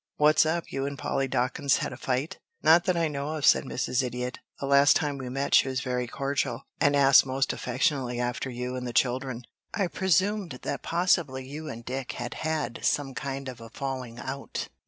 What's up? You and Polly Dawkins had a fight?" "Not that I know of," said Mrs. Idiot. "The last time we met she was very cordial, and asked most affectionately after you and the children. I presumed that possibly you and Dick had had some kind of a falling out."